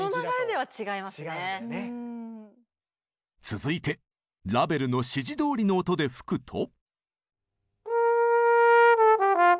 続いてラヴェルの指示どおりの音で吹くと。